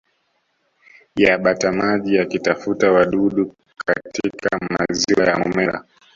ya batamaji yakitafuta wadudu katika maziwa ya Momella